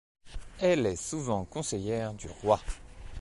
Elle est souvent conseillère du roi.